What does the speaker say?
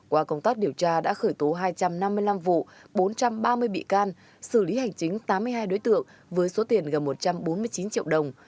qua công tác điều tra đã khởi tố hai trăm năm mươi năm vụ bốn trăm ba mươi bị can xử lý hành chính tám mươi hai đối tượng với số tiền gần một trăm bốn mươi chín triệu đồng